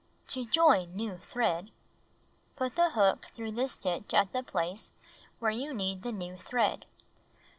To Join New Thread Put the hook through the stitch at the place where you need the new thread.